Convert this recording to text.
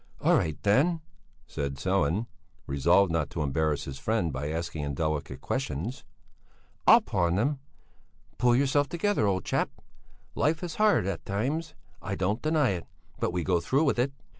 "All right then," said Sellén, resolved not to embarrass his friend by asking indelicate questions. "I'll pawn them! Pull yourself together, old chap! Life is hard at times, I don't deny it; but we go through with it."